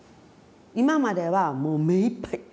今まではもう目いっぱい。